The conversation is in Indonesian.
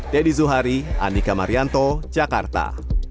dedy zuhari anika marianto jakarta